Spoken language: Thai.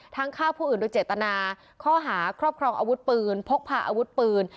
ฆ่าผู้อื่นโดยเจตนาข้อหาครอบครองอาวุธปืนพกพาอาวุธปืน